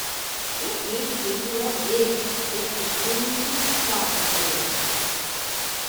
It needs people of vision to get the dream to the starting grid.